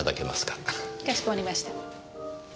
かしこまりました。